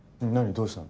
どうしたの？